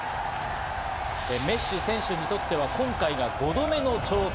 メッシ選手にとっては、今回が５度目の挑戦。